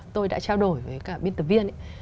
tôi đã trao đổi với cả biên tập viên ấy